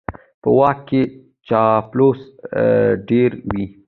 په واک کې چاپلوسي ډېره وي.